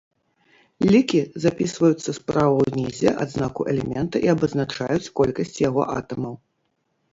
Лікі запісваюцца справа ўнізе ад знаку элемента і абазначаюць колькасць яго атамаў.